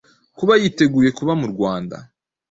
Kuba yiteguye kuba mu Rwanda